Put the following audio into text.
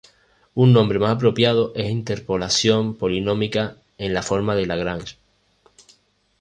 Un nombre más apropiado es interpolación polinómica en la forma de Lagrange.